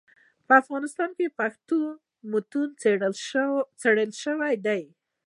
افغانستان کي پښتو متونو څېړل سوي دي.